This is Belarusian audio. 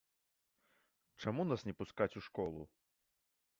Чаму нас не пускаць у школу?